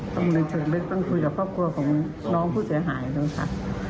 ต้องลืมเฉินลึกต้องคุยกับครอบครัวของน้องผู้เสียหายแล้วค่ะ